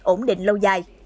ổn định lâu dài